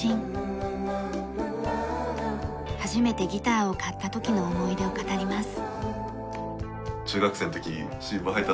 初めてギターを買った時の思い出を語ります。